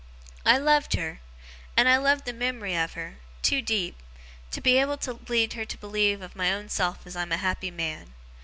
'I loved her and I love the mem'ry of her too deep to be able to lead her to believe of my own self as I'm a happy man.